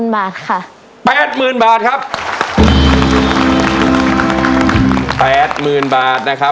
๘๐๐๐๐บาทค่ะ๘๐๐๐๐บาทครับ๘๐๐๐๐บาทนะครับ